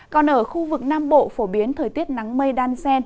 còn ở khu vực nam bộ phổ biến thời tiết nắng mây đan sen